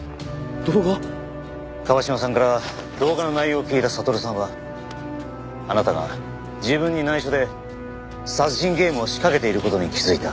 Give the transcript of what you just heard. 椛島さんから動画の内容を聞いた悟さんはあなたが自分に内緒で殺人ゲームを仕掛けている事に気づいた。